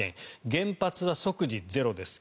原発は即時ゼロです。